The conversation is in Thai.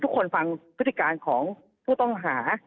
ฟังพฤติการของผู้ต้องหา